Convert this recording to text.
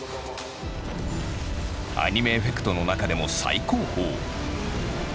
アニメエフェクトの中でも最高峰。